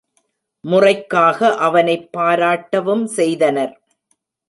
முறைக்காக அவனைப் பாராட்டவும் செய்தனர்.